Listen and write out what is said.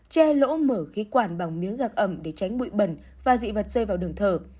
che lỗ mở khí quản bằng miếng gạc ẩm để tránh bụi bẩn và dị vật rơi vào đường thở